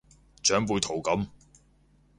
長輩圖噉